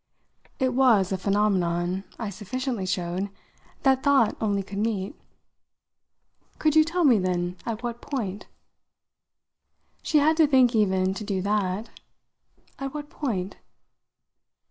It was a phenomenon, I sufficiently showed, that thought only could meet. "Could you tell me then at what point?" She had to think even to do that. "At what point?"